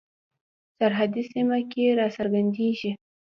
سرحدي سیمه کې را څرګندیږي.